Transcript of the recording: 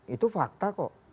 itu fakta kok